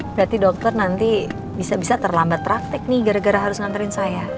berarti dokter nanti bisa bisa terlambat praktek nih gara gara harus nganterin saya